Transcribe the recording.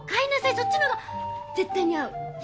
そっちのほうが絶対に合う。